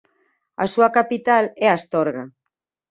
A súa capital é Astorga.